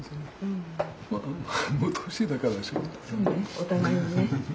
お互いね。